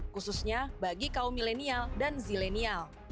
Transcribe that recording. khususnya bagi kaum milenial dan zilenial